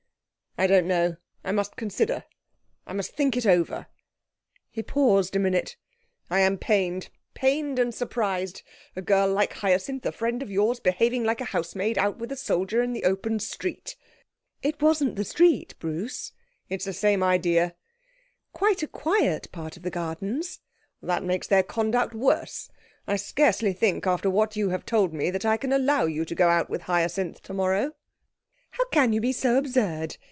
'I don't know. I must consider. I must think it over.' He paused a minute. 'I am pained. Pained and surprised. A girl like Hyacinth, a friend of yours, behaving like a housemaid out with a soldier in the open street!' 'It wasn't the street, Bruce.' 'It's the same idea.' 'Quite a quiet part of the Gardens.' 'That makes their conduct worse. I scarcely think, after what you have told me, that I can allow you to go out with Hyacinth tomorrow.' 'How can you be so absurd?